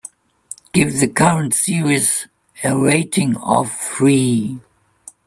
Give the current series a rating of three.